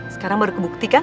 sekarang baru kebuktikan